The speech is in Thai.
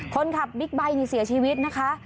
คนขับบิ๊กไบท์นี่เสียชีวิตนะคะ